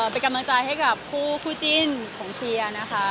ไปกำลังจ่ายให้กับผู้จิ้นของเชียร์นะคะ